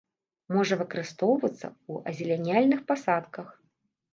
Можа выкарыстоўвацца ў азеляняльных пасадках.